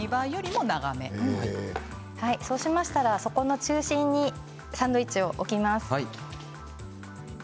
そうしましたら、中心にサンドイッチを置きます。